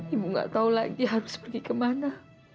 ibu gak tahu lagi harus pergi kemana